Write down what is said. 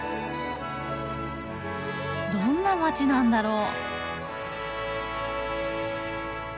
どんな街なんだろう？